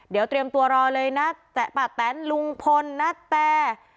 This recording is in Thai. เดี๋ยวเตรียมตัวรอเลยนะแตะป้าแตนลุงพลณแต